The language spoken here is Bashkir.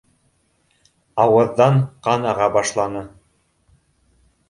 Ауыҙҙан ҡан аға башланы.